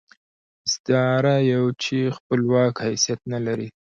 استعاره يو چې خپلواک حيثيت نه لري.